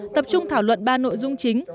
tập trung thảo luận ba nội dung chính